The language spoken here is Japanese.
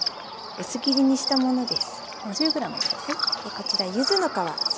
薄切りにしたものです。